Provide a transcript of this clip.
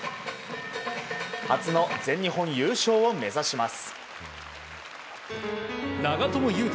初の全日本優勝を目指します。